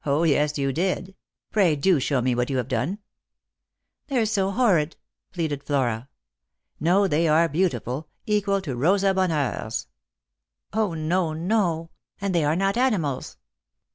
0, yes, you did. Pray do show me what you have done." " They're so horrid," pleaded Flora. " No, they are beautiful, equal to Rosa Bonheur's." " 0, no, no. And they are not animals."